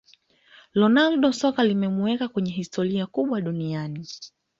ronaldo soka limemuweka kwenye historia kubwa duniani